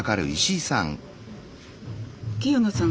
清野さん